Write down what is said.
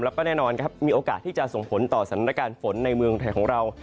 แล้วก็แน่นอนครับมีโอกาสที่จะส่งผลต่อสถานการณ์ฝนในเมืองไทยของเรา